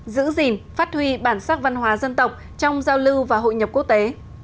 giữ gìn phát huy bản sắc văn hóa dân tộc trong giao lưu và hội nhập quốc tế